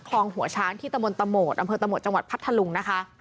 หัวช้างที่ตะมนตะโหมดอำเภอตะโหมดจังหวัดพัทธลุงนะคะ